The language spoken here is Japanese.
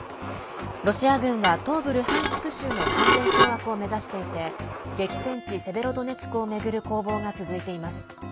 ロシア軍は東部ルハンシク州の完全掌握を目指していて激戦地セベロドネツクを巡る攻防が続いています。